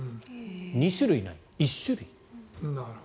２種類ない、１種類。